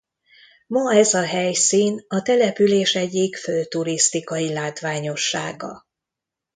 Ma ez a helyszín a település egyik fő turisztikai látványossága.